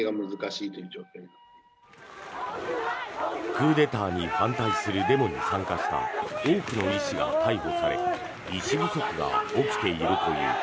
クーデターに反対するデモに参加した多くの医師が逮捕され医師不足が起きているという。